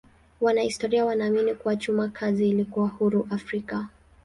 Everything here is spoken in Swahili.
Wanahistoria wanaamini kuwa chuma kazi ilikuwa huru Afrika.